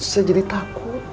saya jadi takut